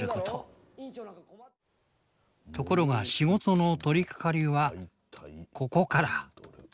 ところが仕事の取りかかりはここから。